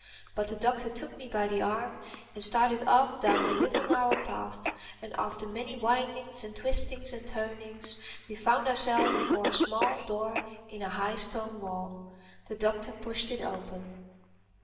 But the Doctor took me by the arm and started off down a little narrow path and after many windings and twistings and turnings we found ourselves before a small door in a high stone wall. The Doctor pushed it open.